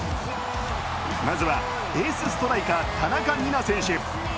まずはエースストライカー田中美南選手。